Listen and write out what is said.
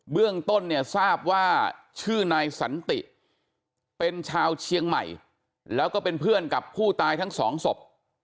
เรื่องต้นเนี่ยทราบว่าชื่อนายสันติเป็นชาวเชียงใหม่แล้วก็เป็นเพื่อนกับผู้ตายทั้งสองศพ